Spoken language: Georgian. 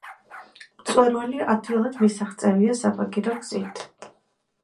მწვერვალი ადვილად მისაღწევია საბაგირო გზით.